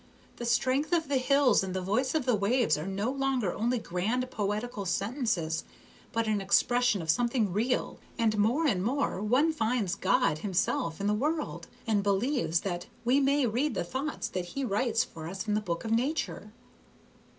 The strength of the hills and the voice of the waves are no longer only grand poetical sentences, but an expression of something real, and more and more one finds God himself in the world, and believes that we may read the thoughts that He writes for us in the book of Nature."